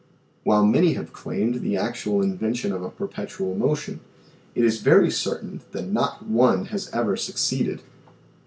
While many have claimed the actual invention of a per petual motion it is very certain that not one has ever suc ceeded.